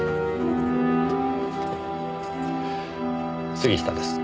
杉下です。